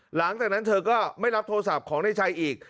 หลังจากนั้นเธอก็ไม่รับโทรศัพท์ของนายชัยอีก